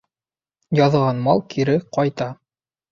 Яҙған мал кире ҡайта.